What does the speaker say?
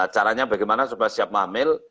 caranya bagaimana supaya siap hamil